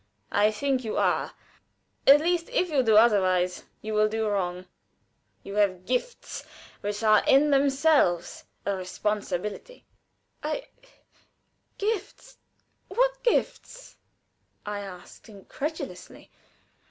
"I think you are. At least, if you do otherwise you will do wrong. You have gifts which are in themselves a responsibility." "I gifts what gifts?" I asked, incredulously.